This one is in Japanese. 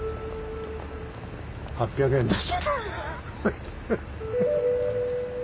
８００円です。